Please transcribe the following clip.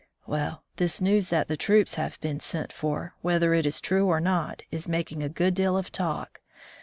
"Well, this news that the troops have been sent for, whether it is true or not, is making a good deal of talk.